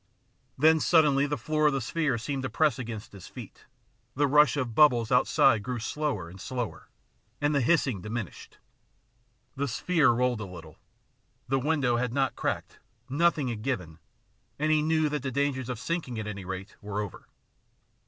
Then suddenly the floor of the sphere seemed to press against his feet, the rush of bubbles outside grew slower and slower, and the hissing diminished. The sphere rolled a little. The window had not cracked, nothing had given, and he knew that the dangers of sinking, at anyrate, were over.